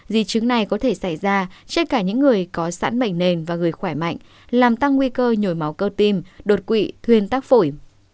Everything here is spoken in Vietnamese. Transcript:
di chứng này có thể xảy ra trên cả những người có sẵn bệnh nền và người khỏe mạnh làm tăng nguy cơ nhồi máu cơ tim đột quỵ thuyên tắc phổi